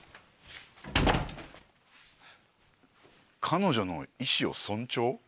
彼女の意思を尊重？